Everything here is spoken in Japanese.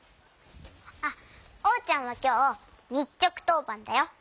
あっおうちゃんはきょうにっちょくとうばんだよ。